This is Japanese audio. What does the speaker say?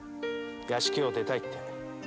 「屋敷を出たい」って。